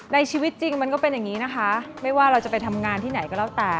ในชีวิตจริงมันก็เป็นอย่างนี้นะคะไม่ว่าเราจะไปทำงานที่ไหนก็แล้วแต่